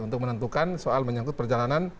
untuk menentukan soal menyangkut perjalanan